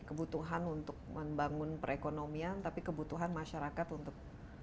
kebutuhan untuk membangun perekonomian tapi kebutuhan masyarakat untuk